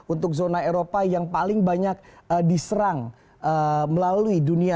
untuk zona eropa yang paling banyak diserang melalui dunia